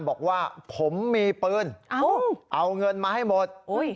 บอกว่าผมมีปืนเอาเงินมาให้หมด